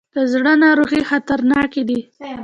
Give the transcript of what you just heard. د زړه ناروغۍ خطرناکې دي.